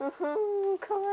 かわいい。